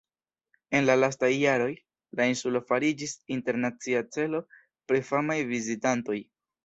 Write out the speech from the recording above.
En la lastaj jaroj, la insulo fariĝis internacia celo pri famaj vizitantoj.